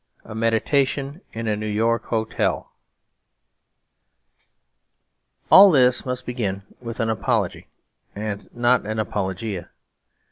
A Meditation in a New York Hotel All this must begin with an apology and not an apologia.